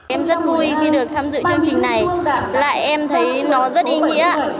em rất vui khi được tham dự chương trình này lại em thấy nó rất ý nghĩa